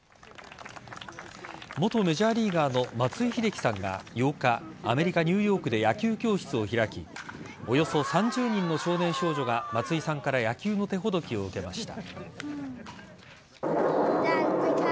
元メジャーリーガーの松井秀喜さんが８日アメリカ・ニューヨークで野球教室を開きおよそ３０人の少年少女が松井さんから野球の手ほどきを受けました。